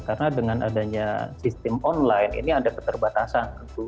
karena dengan adanya sistem online ini ada keterbatasan